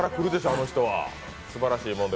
あの人は。